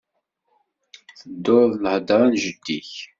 Tettuḍ lhedra n jeddi-k